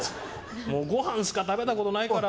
ご飯しか食べたことないから。